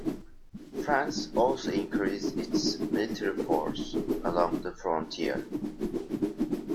France also increased its military force along the frontier.